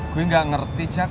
gue gak ngerti jack